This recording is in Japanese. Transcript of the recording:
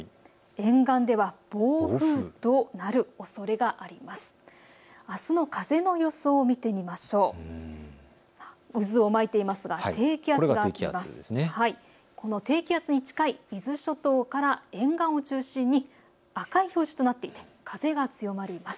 沿岸では暴風となるおそれがあります。